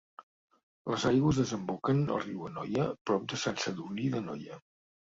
Les aigües desemboquen al Riu Anoia prop de Sant Sadurní d'Anoia.